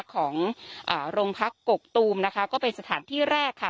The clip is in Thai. ของอ่าโรงพักกกตูมนะคะก็เป็นสถานที่แรกค่ะ